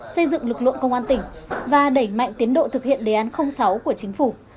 xây dựng lực lượng công an tỉnh và đẩy mạnh tiến độ thực hiện đề án sáu của chính phủ